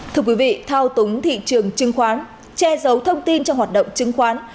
thưa quý vị thao túng thị trường chứng khoán che giấu thông tin trong hoạt động chứng khoán